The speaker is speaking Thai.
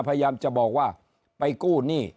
พยายามจะบอกว่าไปกู้หนี้